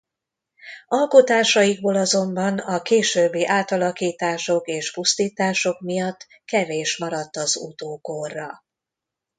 Alkotásaikból azonban a későbbi átalakítások és pusztítások miatt kevés maradt az utókorra.